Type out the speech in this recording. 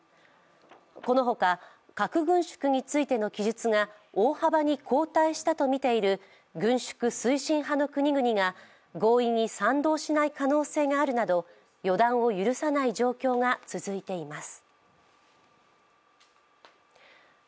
このほか核軍縮についての記述が大幅に後退したとみている軍縮推進派の国々が合意に賛同しない可能性があるなど天気予報です。